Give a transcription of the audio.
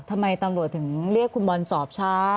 ทำไมตำรวจถึงเรียกคุณบอลสอบช้า